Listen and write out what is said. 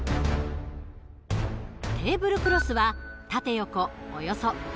テーブルクロスは縦横およそ１０ｍ。